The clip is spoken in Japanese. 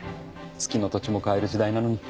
月の土地も買える時代なのに。